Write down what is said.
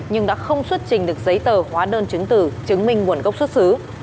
nhưng đã không xuất trình được giấy tờ hóa đơn chứng tử chứng minh nguồn gốc xuất xứ